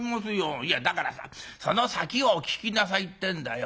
いやだからさその先をお聞きなさいってんだよ。